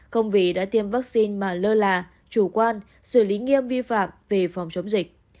không vì đã tiêm vaccine mà lơ là chủ quan xử lý nghiêm vi phạm về phòng chống dịch